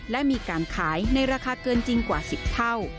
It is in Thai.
และมีการขายในราคาเกินจริงกว่า๑๐เท่า